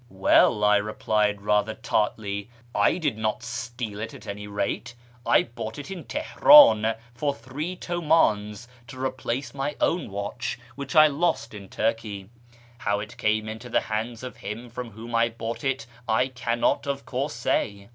" Well," I replied rather tartly, " I did not steal it at any rate ; I bought it in Teheran for three Mmdns to replace my own watch, which I lost in Turkey, How it came into the hands of him from whom I bought it I cannot, of course, say."